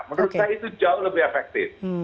menurut saya itu jauh lebih efektif